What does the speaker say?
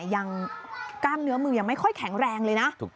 กล้ามเนื้อมือยังไม่ค่อยแข็งแรงเลยนะ